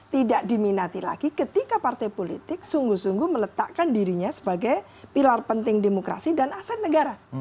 tidak diminati lagi ketika partai politik sungguh sungguh meletakkan dirinya sebagai pilar penting demokrasi dan aset negara